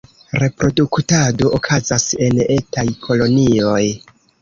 Reproduktado okazas en etaj kolonioj.